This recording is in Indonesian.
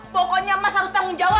pokoknya mas harus tanggung jawab